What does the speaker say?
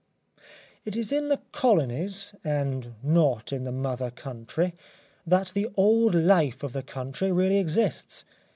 ŌĆØ It is in the colonies, and not in the mother country, that the old life of the country really exists.